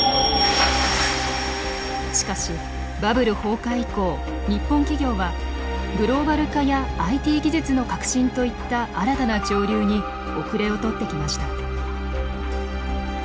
しかしバブル崩壊以降日本企業はグローバル化やＩＴ技術の革新といった新たな潮流に後れを取ってきました。